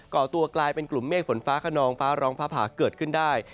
่อตัวกลายเป็นกลุ่มเมฆฝนฟ้าขนองฟ้าร้องฟ้าผ่าเกิดขึ้นได้